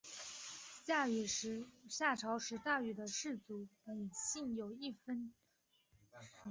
夏朝时大禹的氏族姒姓有一分支斟灌氏曾建立诸侯国。